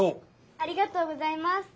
ありがとうございます。